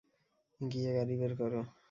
গিয়ে গাড়ি বের কর।